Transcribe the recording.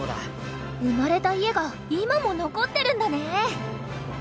生まれた家が今も残ってるんだね！